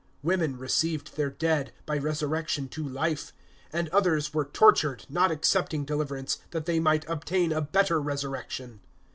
(35)Women received their dead, by resurrection to life; and others were tortured, not accepting deliverance, that they might obtain a better resurrection.